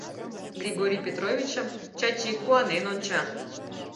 Григорий Петровичым Чачи куанен онча.